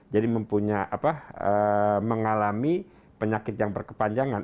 jadi mengalami penyakit yang berkepanjangan